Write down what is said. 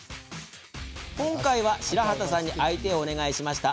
今回は、白畑さんに相手をお願いしました。